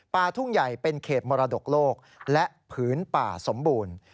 ป่าทุ่งใหญ่เป็นเขตมรดกโลกและผืนป่าสมบูรณ์